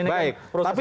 sama aja lah